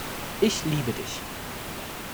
Ich liebe Dich.